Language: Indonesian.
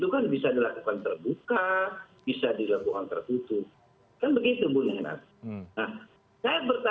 kita akan memberikan masukan kritik tentu bun renkhat